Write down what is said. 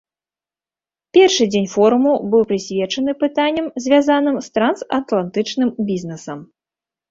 Першы дзень форуму быў прысвечаны пытанням, звязаным з трансатлантычным бізнесам.